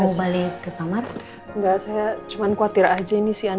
selamat tidur cucu cucu oma tersayang